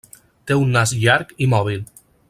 Té un nas llarg i mòbil.